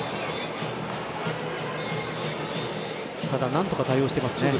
なんとか対応していますね。